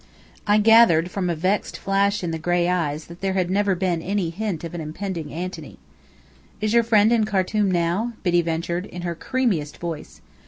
I gathered from a vexed flash in the gray eyes that there had never been any hint of an impending Antony. "Is your friend in Khartum now?" Biddy ventured, in her creamiest voice.